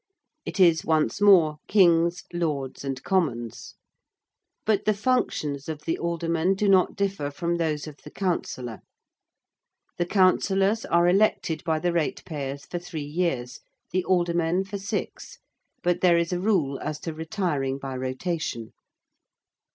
It is, once more, Kings, Lords, and Commons. But the functions of the Aldermen do not differ from those of the Councillor. The Councillors are elected by the ratepayers for three years, the Aldermen for six; but there is a rule as to retiring by rotation.